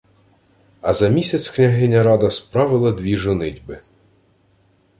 А за місяць княгиня Рада справила дві жонитьби: